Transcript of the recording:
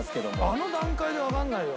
あの段階でわかんないよ。